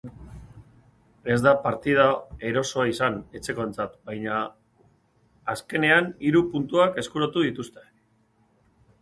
Ez da partida erosoa izan etxekoentzat, baina azkenean hiru puntuak eskuratu dituzte.